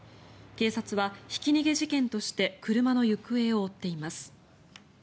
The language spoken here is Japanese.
警察はひき逃げ事件として車の行方を追っています。